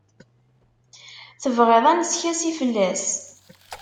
Tebɣiḍ ad neskasi fell-as?